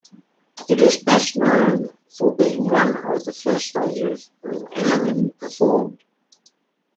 It is best known for being one of the first stages Eminem performed.